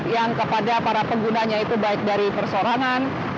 yang kepada para penggunanya itu baik dari persorangan